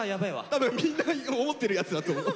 多分みんな思ってるやつだと思う。